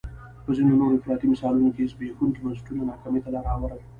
په ځینو نورو افراطي مثالونو کې زبېښونکي بنسټونه ناکامۍ ته لار هواروي.